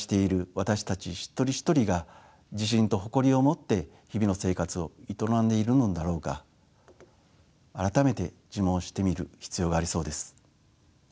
私たち一人一人が自信と誇りを持って日々の生活を営んでいるのだろうか改めて自問してみる必要がありそうです。